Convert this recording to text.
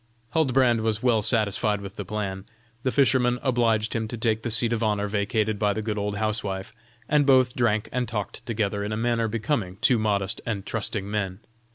Huldbrand was well satisfied with the plan; the fisherman obliged him to take the seat of honor vacated by the good old housewife, and both drank and talked together in a manner becoming two honest and trusting men.